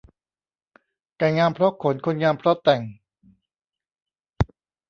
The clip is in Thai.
ไก่งามเพราะขน คนงามเพราะแต่ง